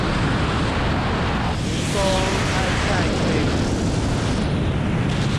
提供參賽隊伍